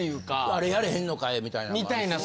「あれやれへんのかい」みたいなのもあるし。